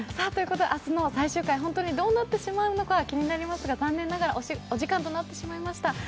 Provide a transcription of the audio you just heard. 明日の最終回、本当にどうなってしまうのか気になりますが残念ながらお時間となってしまいました。